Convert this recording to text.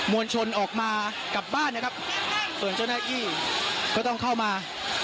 วลชนออกมากลับบ้านนะครับส่วนเจ้าหน้าที่ก็ต้องเข้ามา